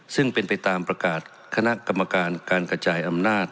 ซึ่งเป็นไปตามประกาศคณะกรรมการการกระจายอำนาจ